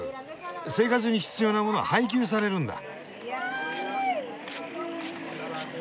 生活に必要な物は配給されるんだ。